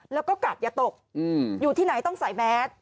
แล้วก็กัดอย่าตกอยู่ที่ไหนต้องใส่แมส